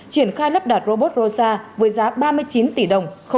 triển khai lắp đặt robot rosa với giá ba mươi chín tỷ đồng